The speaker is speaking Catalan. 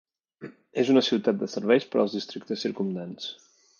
És una ciutat de serveis per als districtes circumdants.